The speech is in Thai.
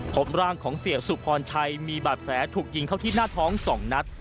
พบร่างของเสียสุพรชัยมีบาดแผลถูกยิงเข้าที่หน้าท้อง๒นัด